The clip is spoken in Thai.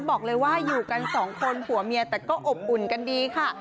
บอกเลยว่าอยู่กันสองคนผัวเมียแต่ก็อบอุ่นกันดีค่ะ